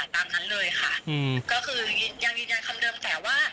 ตามนั้นเลยค่ะก็คือยินยังคำเดิมแสดงว่า